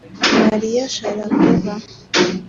Maria Sharapova